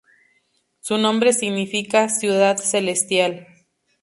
Su nombre significa "ciudad celestial".